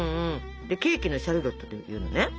ケーキの「シャルロット」っていうのはね